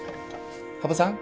羽生さん。